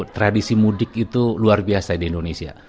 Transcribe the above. tradisi mudik itu luar biasa di indonesia